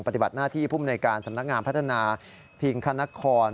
ปฏิบัติหน้าที่ภูมิในการสำนักงานพัฒนาพิงคณคร